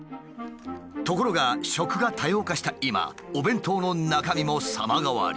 ところが食が多様化した今お弁当の中身も様変わり。